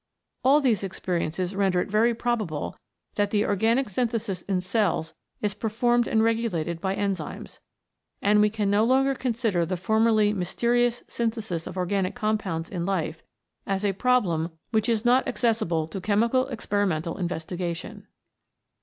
All these ex periences render it very probable that the organic synthesis in cells is performed and regulated by enzymes, and we can no longer consider the formerly mysterious synthesis of organic com pounds in life as a problem which is not accessible to chemical experimental investigation.